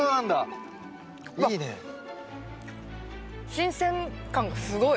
新鮮感がすごい。